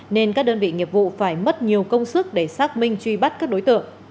nên các đơn vị nghiệp vụ phải mất nhiều công sức để xác minh truy bắt các đối tượng